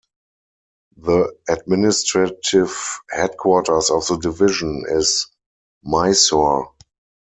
The administrative headquarters of the division is Mysore.